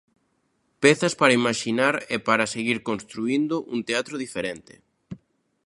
Pezas para imaxinar e para seguir construíndo un teatro diferente.